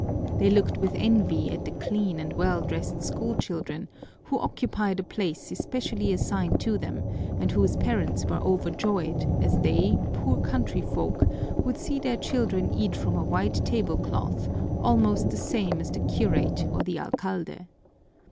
They looked with envy at the clean and well dressed school children, who occupied a place especially assigned to them and whose parents were overjoyed, as they, poor country folk, would see their children eat from a white tablecloth, almost the same as the curate or the alcalde.